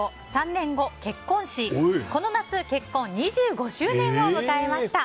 ３年後結婚し、この夏結婚２５周年を迎えました。